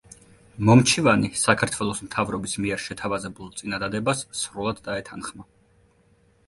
მომჩივანი საქართველოს მთავრობის მიერ შეთავაზებულ წინადადებას სრულად დაეთანხმა.